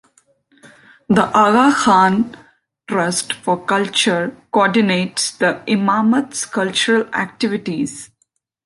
The Aga Khan Trust for Culture co-ordinates the Imamat's cultural activities.